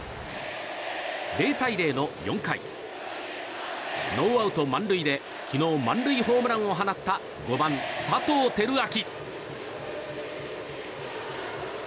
０対０の４回ノーアウト満塁で昨日、満塁ホームランを放った５番、佐藤輝明。